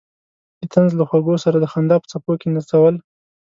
د طنز له خوږو سره د خندا په څپو کې نڅول.